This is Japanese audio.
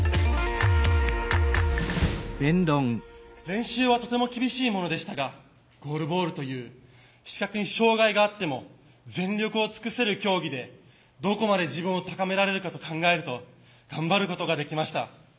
練習はとても厳しいものでしたがゴールボールという視覚に障害があっても全力を尽くせる競技でどこまで自分を高められるかと考えると頑張ることができました。